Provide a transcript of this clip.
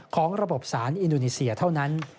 ของระบบสารอินโดนีเซียเท่านั้น